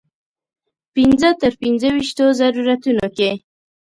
پنځو تر پنځه ویشتو ضرورتونو کې.